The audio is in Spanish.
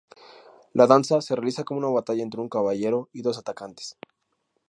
La danza se realiza como una batalla entre un caballero y dos atacantes.